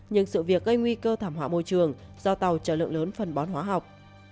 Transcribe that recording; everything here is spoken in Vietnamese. nhưng sự việc gây nguy cơ thảm họa môi trường do tàu trở lượng lớn phần bón hóa học